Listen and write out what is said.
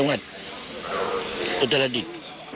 ยังไงธรรณดิต